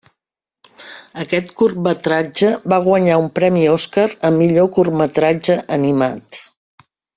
Aquest curtmetratge va guanyar un Premi Oscar a millor curtmetratge animat.